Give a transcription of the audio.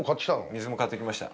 水も買ってきました。